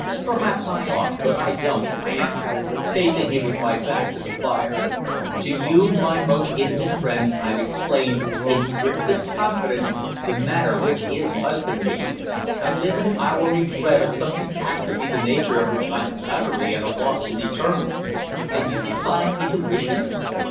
"Perhaps I ought, but I don't," I answered, facing him with my back to the fire. "To you, my most intimate friend, I've explained, in strictest confidence, the matter which is puzzling me. I live in hourly dread of some catastrophe the nature of which I'm utterly at a loss to determine. Can you define intuition?"